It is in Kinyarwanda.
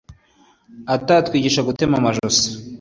akatwigisha gutema amajosi